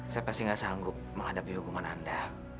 saya pasti gak sanggup menghadapi hukuman anda